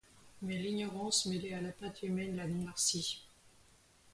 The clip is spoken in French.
Mais l'ignorance mêlée à la pâte humaine la noircit.